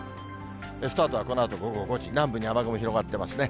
スタートはこのあと午後５時、南部に雨雲広がってますね。